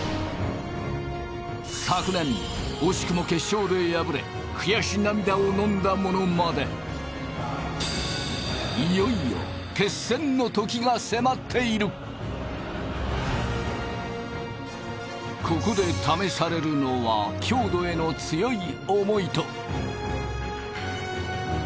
昨年惜しくも決勝で敗れ悔し涙を飲んだ者までいよいよ決戦のときが迫っているここで試されるのは最後に笑うのは誰だ？